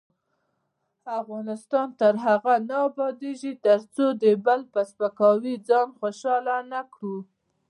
افغانستان تر هغو نه ابادیږي، ترڅو د بل په سپکاوي ځان خوشحاله نکړو.